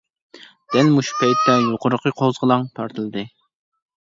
دەل مۇشۇ پەيتتە يۇقىرىقى قوزغىلاڭ پارتلىدى.